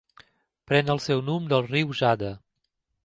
Pren el seu nom del riu Jade.